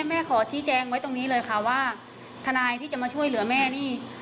แม่ขอชี้แจงไว้ตรงนี้เลยค่ะว่าทนายที่จะมาช่วยเหลือแม่นี่